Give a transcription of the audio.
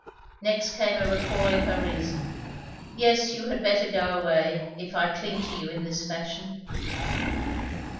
Next came a recoil of her reason Yes, you had better go away, if I cling to you in this fashion!